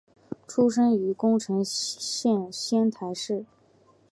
出身于宫城县仙台市。